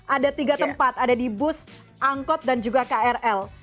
ada tiga tempat ada di bus angkot dan juga krl